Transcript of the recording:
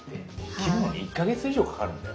切るのに１か月以上かかるんだよ。